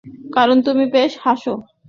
কারণ তুমি বেশি হাসো।